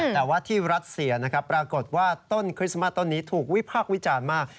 แต่ว่าที่รัสเซียนะครับปรากฏว่าต้นคริสต์มาสต้นนี้ถูกวิพากษ์วิจารณ์มาก